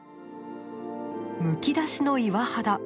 むき出しの岩肌。